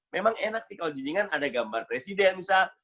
memang enak sih kalau jinjingan ada gambar presiden misal